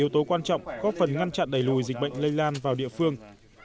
yếu tố quan trọng góp phần ngăn chặn đẩy lùi dịch bệnh lây lan vào địa phương